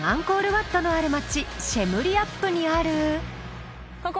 ワットのある町シェムリアップにある。